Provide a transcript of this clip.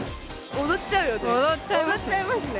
踊っちゃいますね。